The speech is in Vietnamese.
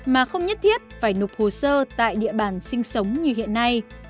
mà không nhất thiết phải nộp hồ sơ tại địa bàn sinh sống như hiện nay